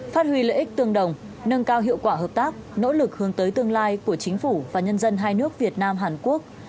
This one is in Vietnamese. phát huy lợi ích tương đồng nâng cao hiệu quả hợp tác nỗ lực hướng tới tương lai của chính phủ và nhân dân hai nước việt nam hàn quốc